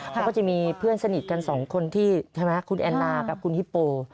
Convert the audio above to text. เขาก็จะมีเพื่อนสนิทกันสองคนที่ใช่ไหมคุณแอนนากับคุณฮิปโป